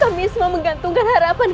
kami semua menggantungkan harapanmu